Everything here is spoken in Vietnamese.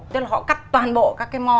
thế là họ cắt toàn bộ các cái mò